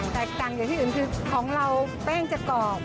แตกต่างจากที่อื่นคือของเราแป้งจะกรอบ